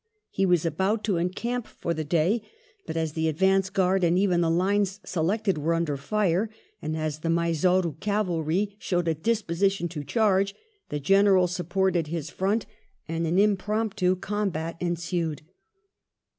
He was about to encamp for the day, but as the advance guai'd and even the lines selected were under fire, and as the Mysore cavalry showed a disposition to charge, the General supported his front, and an impromptu com bat ensued.